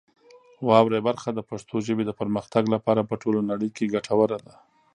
واورئ برخه د پښتو ژبې د پرمختګ لپاره په ټوله نړۍ کې ګټوره ده.